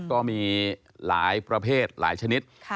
ก็มีหลายประเภทหลายชนิด